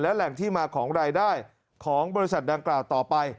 และแหล่งที่มาของรายได้ของบริษัทดังกล่าวต่อไป